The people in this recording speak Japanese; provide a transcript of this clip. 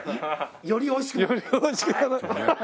よりおいしくなる。